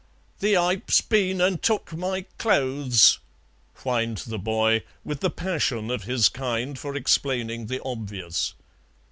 "The ipe's been an' took my clothes;" whined the boy, with the passion of his kind for explaining the obvious.